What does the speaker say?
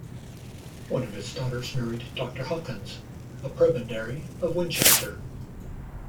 One of his daughters married Doctor Hawkins, a prebendary of Winchester.